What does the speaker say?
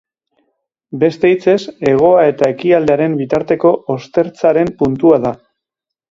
Beste hitzez, hegoa eta ekialdearen bitarteko ostertzaren puntua da.